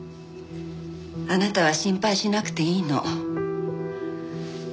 あなたは心配しなくていいの。